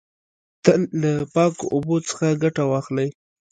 تل له پاکو اوبو څخه ګټه واخلی.